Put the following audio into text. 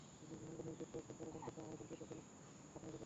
বিভিন্ন অঙ্গনের বেশ কয়েকজন তারকার কাছে আমরা জানতে চেয়েছিলাম আঠারোর গল্প।